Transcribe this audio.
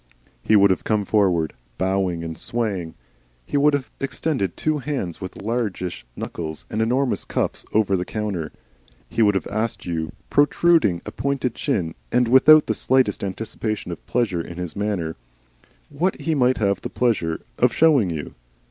He would have come forward, bowing and swaying, he would have extended two hands with largish knuckles and enormous cuffs over the counter, and he would have asked you, protruding a pointed chin and without the slightest anticipation of pleasure in his manner, what he might have the pleasure of showing you.